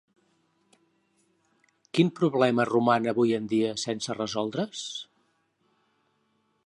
Quin problema roman avui en dia sense resoldre's?